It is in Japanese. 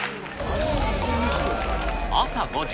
朝５時。